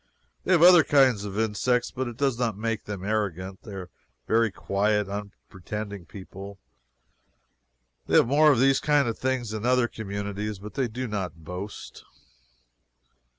They have other kinds of insects, but it does not make them arrogant. They are very quiet, unpretending people. They have more of these kind of things than other communities, but they do not boast.